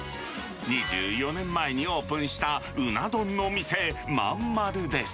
２４年前にオープンしたうな丼の店、まんまるです。